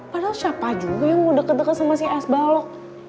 padahal siapa juga yang mau deket deket sama si es balok